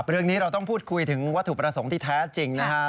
เรื่องนี้เราต้องพูดคุยถึงวัตถุประสงค์ที่แท้จริงนะฮะ